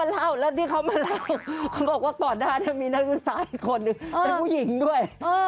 แล้วที่เขามาเล่าตอนหน้านั้นมีนักศึกษาอีกคนเป็นผู้หญิงด้วย